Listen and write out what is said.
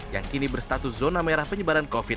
yang kini berstatus zona merah penyebaran covid sembilan belas